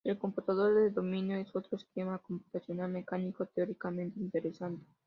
El computador de dominó es otro esquema computacional mecánico teóricamente interesante.